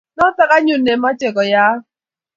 Notok anyun ne mache koyaak